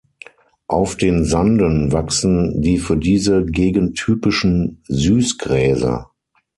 Auf den Sanden wachsen die für diese Gegend typischen Süßgräser.